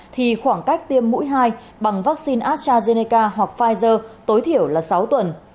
thì khoảng cách tiêm mũi hai bằng vaccine astrazeneca hoặc pfizer tối thiểu là sáu tuần